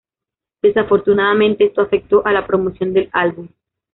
Desafortunadamente esto afectó a la promoción del álbum.